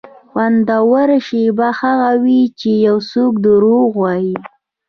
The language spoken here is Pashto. خوندوره شېبه هغه وي چې یو څوک دروغ وایي.